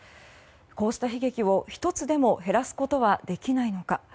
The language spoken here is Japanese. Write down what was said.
こうした悲劇を１つでも減らすことはできないのか。